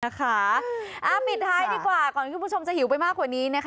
ปิดท้ายดีกว่าก่อนที่คุณผู้ชมจะหิวไปมากกว่านี้นะคะ